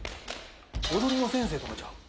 踊りの先生とかちゃう？